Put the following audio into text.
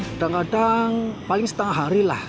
kadang kadang paling setengah hari lah